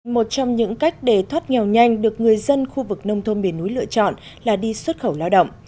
một trong những cách để thoát nghèo nhanh được người dân khu vực nông thôn miền núi lựa chọn là đi xuất khẩu lao động